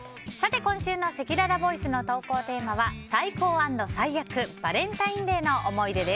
今週のせきららボイスの投稿テーマは最高＆最悪バレンタインデーの思い出です。